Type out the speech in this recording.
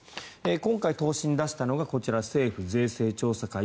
今回、答申を出したのが政府税制調査会。